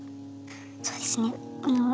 そうですねあの。